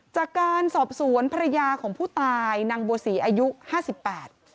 จากการสอบสวนภรรยาของผู้ตายนางบัวศรีอายุห้าสิบแปด